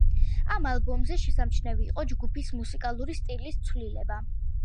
ამ ალბომზე შესამჩნევი იყო ჯგუფის მუსიკალური სტილის ცვლილება.